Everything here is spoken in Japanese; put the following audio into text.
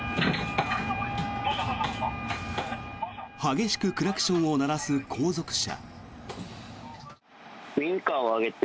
激しくクラクションを鳴らす後続車。